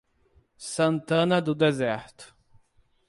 Santana do Deserto